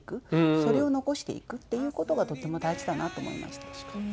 それを残していくっていうことがとても大事だなと思いました。